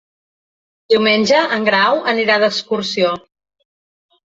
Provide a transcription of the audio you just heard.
Diumenge en Grau anirà d'excursió.